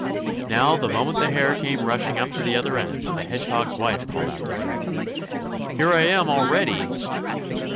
Now, the moment the Hare came rushing up to the other end, the Hedgehog's wife called out to him: "Here I am already!"